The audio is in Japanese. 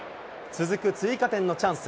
続く追加点のチャンス。